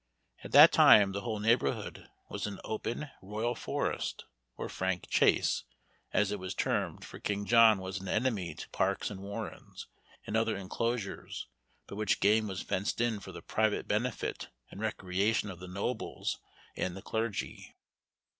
At that time the whole neighbor hood was an open royal forest, or Frank chase, as it was termed; for King John was an enemy to parks and warrens, and other inclosures, by which game was fenced in for the private benefit and recreation of the nobles and the clergy.